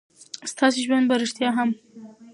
ستاسې ژوند په رښتيا هم